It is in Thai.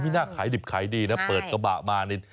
มีหน้าขายดิบขายดีนะเปิดกระบะมา